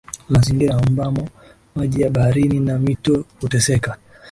mazingira ambamo maji ya baharini na mito huteseka